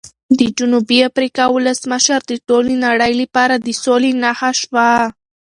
د جنوبي افریقا ولسمشر د ټولې نړۍ لپاره د سولې نښه شو.